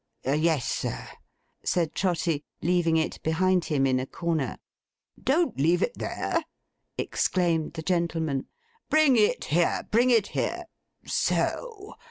'Yes, sir,' said Trotty, leaving it behind him in a corner. 'Don't leave it there,' exclaimed the gentleman. 'Bring it here, bring it here. So!